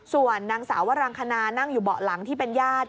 ส่วนนางสาววรังคณานั่งอยู่เบาะหลังที่เป็นญาติ